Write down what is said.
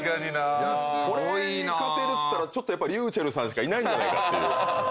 これに勝てるっつったらやっぱｒｙｕｃｈｅｌｌさんしかいないんじゃないかっていう。